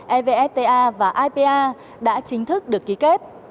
evsta và ipa đã chính thức được ký kết